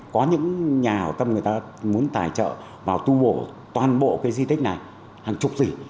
có những nhà hậu tâm người ta muốn tài trợ vào tu bổ toàn bộ cái di tích này hàng chục gì